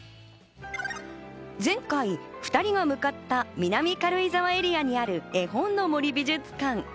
前回、２人が向かった南軽井沢エリアにある絵本の森美術館。